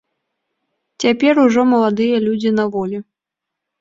Цяпер ужо маладыя людзі на волі.